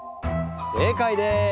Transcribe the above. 正解です！